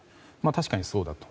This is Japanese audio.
確かにそうだと。